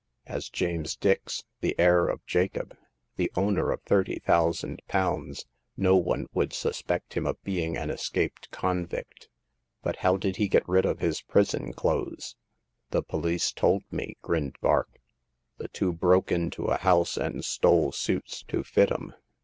As James Dix, the heir of Jacob, the owner of thirty thousand pounds, no one would suspect him of being an escaped convict. But how did he get rid of his prison clothes ?"'' The pohce told me," grinned Vark. "The two broke into a house and stole suits to fit 'em.